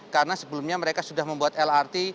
karena sebelumnya mereka sudah membuat lrt